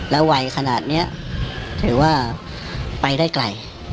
วัยขนาดนี้ถือว่าไปได้ไกล